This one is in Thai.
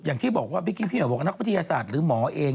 อย่างที่บอกว่าเมื่อกี้พี่เห่าบอกว่านักวิทยาศาสตร์หรือหมอเอง